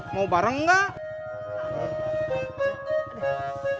mau bareng gak